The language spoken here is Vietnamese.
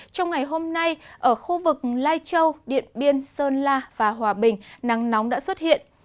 trong ngày hôm nay ở khu vực lai châu điện biên sơn la và hòa bình nắng nóng đã xuất hiện